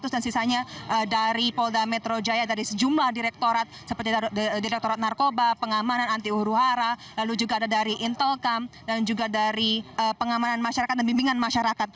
dan sisanya dari polda metro jaya ada sejumlah direkturat seperti direkturat narkoba pengamanan anti uhruhara lalu juga ada dari intelcam dan juga dari pengamanan masyarakat dan bimbingan masyarakat